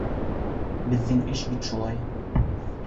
Беҙҙең эш бит шулай!